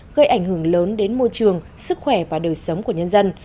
gây ảnh hưởng lớn đến môi trường sức khỏe và đời sống của nhân dân